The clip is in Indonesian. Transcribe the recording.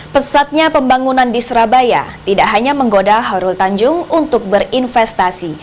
pesatnya pembangunan di surabaya tidak hanya menggoda hoyrul tanjung untuk berinvestasi